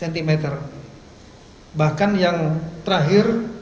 yang kita amankan namanya